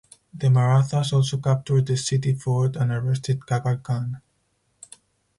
The Marathas also captured the city fort and arrested Kakar Khan.